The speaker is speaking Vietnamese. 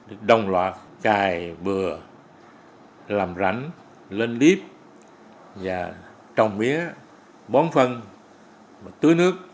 nó sẽ được đồng loạt cài bừa làm rảnh lên líp và trồng mía bón phân tưới nước